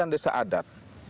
tiga puluh sembilan desa adat